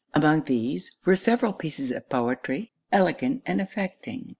Among these, were several pieces of poetry, elegant and affecting.